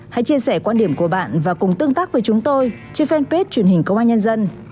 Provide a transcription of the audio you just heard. hãy chia sẻ quan điểm của bạn và cùng tương tác với chúng tôi trên fanpage truyền hình công an nhân dân